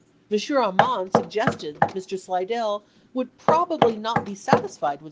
Arman suggested that Mr. Slidell would probably not be satisfied with aS^ n.